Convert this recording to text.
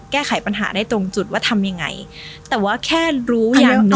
แก้ไขปัญหาได้ตรงจุดว่าทำยังไงแต่ว่าแค่รู้อย่างน้อย